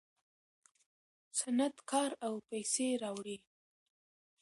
صنعت کار او پیسې راوړي.